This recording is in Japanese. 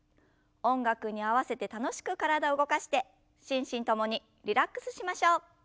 音楽に合わせて楽しく体を動かして心身ともにリラックスしましょう。